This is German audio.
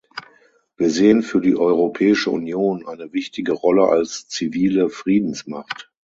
Wir sehen für die Europäische Union eine wichtige Rolle als zivile Friedensmacht.